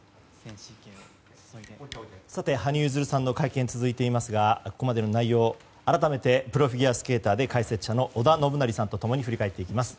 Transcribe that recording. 羽生結弦さんの会見続いていますがここまでの内容を改めてプロフィギュアスケーターで解説者の織田信成さんと共に振り返っていきます。